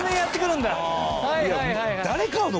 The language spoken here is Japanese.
いや。